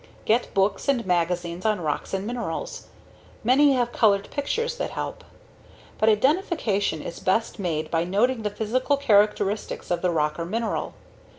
Get books and magazines on rocks and minerals. Many have colored pictures that help. But identification is best made by noting the physical characteristics of the rock or mineral.